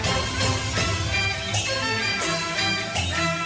โอ้โอ้โอ้โอ้